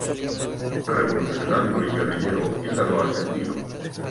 Revolucionario y guerrillero italo-argentino.